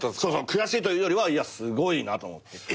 悔しいというよりはいやすごいなと思って。